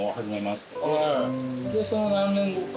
でその何年後か。